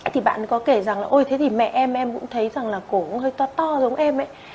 thì bạn có kể rằng là ôi thế thì mẹ em em cũng thấy rằng là cổ hơi to to giống em ấy